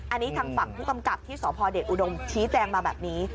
อันนี้ทางฝั่งผู้กำกับที่สพเดชอุดมชี้แจงมาแบบนี้